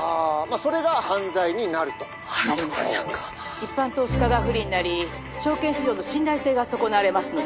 「一般投資家が不利になり証券市場の信頼性が損なわれますので」。